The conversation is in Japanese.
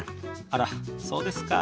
あらっそうですか。